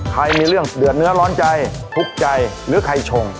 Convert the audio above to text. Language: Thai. ใครมีเรื่องเดือดเนื้อร้อนใจทุกข์ใจหรือใครชง